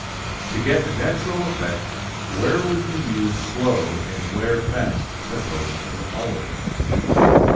To get a natural effect, where would you use slow and where fast tempo in the following?